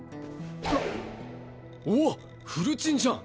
おっフルチンじゃん。